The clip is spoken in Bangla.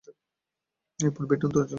পূর্বে এটি উত্তরাঞ্চল নামে পরিচিত ছিলো।